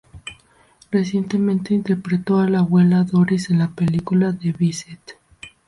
Recientemente interpretó a la abuela Doris en la película "The Visit".